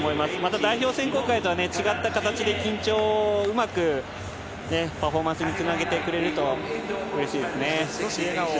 代表選考会は違った形で緊張をうまくパフォーマンスへつなげてくれると嬉しいです。